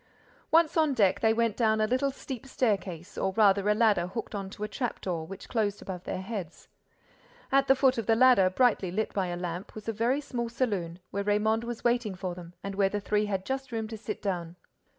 Once on deck, they went down a little steep staircase, or rather a ladder hooked on to a trap door, which closed above their heads. At the foot of the ladder, brightly lit by a lamp, was a very small saloon, where Raymonde was waiting for them and where the three had just room to sit down.